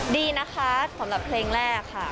ดีนะคะสำหรับเพลงแรกค่ะ